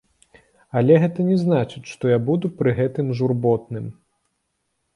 Але гэта не значыць, што я буду пры гэтым журботным!